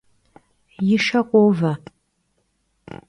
Yi şe khove.